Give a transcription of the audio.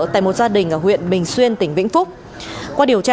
tại một gia đình ở huyện bình xuyên tỉnh vĩnh phúc